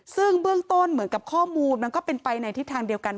ซึ่งเบื้องต้นเหมือนกับข้อมูลมันก็เป็นไปในทิศทางเดียวกัน